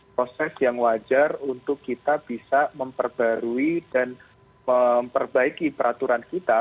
proses yang wajar untuk kita bisa memperbarui dan memperbaiki peraturan kita